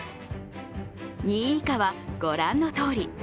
２位以下はご覧のとおり。